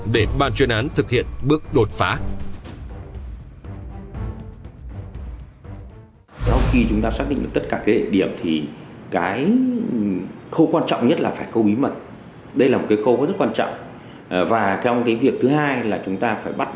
để bản chuyên án thực hiện bước đột phá